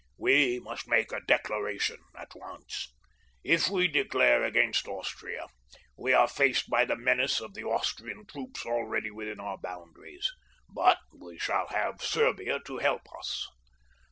We must make a declaration at once. If we declare against Austria we are faced by the menace of the Austrian troops already within our boundaries, but we shall have Serbia to help us.